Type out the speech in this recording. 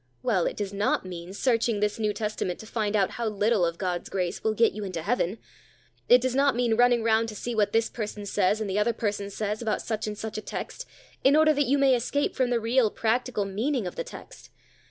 Well, it does not mean, searching this New Testament to find out how little of God's grace will get you into Heaven! It does not mean, running round to see what this person says and the other person says about such and such a text, in order that you may escape from the real, practical meaning of the text!